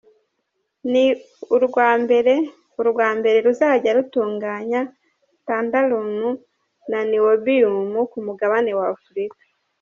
Ni urwa mbere urwa mbere ruzajya rutunganya Tantalum na Niobium ku mugabane wa Afurika.